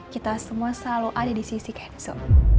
kita semua selalu ada di sisi cancel